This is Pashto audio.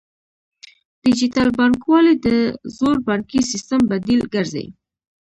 ډیجیټل بانکوالي د زوړ بانکي سیستم بدیل ګرځي.